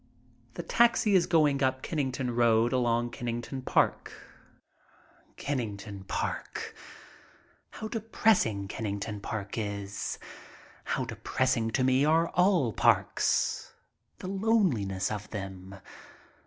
The taxi is going up Kennington Road along Kennington Park. Kennington Park. How depressing Kennington Park is! How depressing to me are all parks! The loneli ness of them.